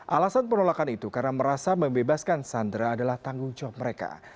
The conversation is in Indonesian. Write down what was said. alasan penolakan itu karena merasa membebaskan sandra adalah tanggung jawab mereka